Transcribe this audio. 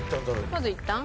まずいったん？